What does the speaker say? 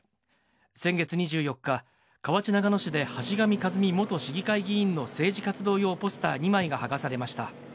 先月２４日、河内長野市で橋上和美元市議会議員の政治活動用ポスター２枚が剥がされました。